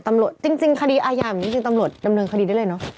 ตำรวจจริงคดีอาหย่าเหมือนที่จริงตำรวจดำเนินคดีได้เลยเนอะ